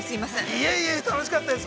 ◆いえいえ、楽しかったです。